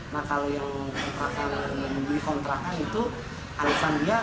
nah kalau yang membeli kontrakan itu alasan dia